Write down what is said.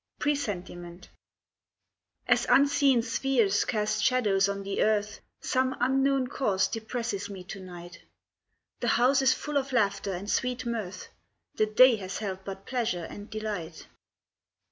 PRESENTIMENT As unseen spheres cast shadows on the Earth Some unknown cause depresses me to night. The house is full of laughter and sweet mirth, The day has held but pleasure and delight.